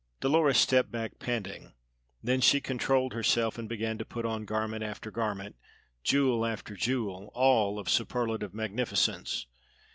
Dolores stepped back panting. Then she controlled herself and began to put on garment after garment, jewel after jewel, all of superlative magnificence.